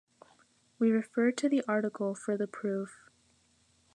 We refer to the article for the proof.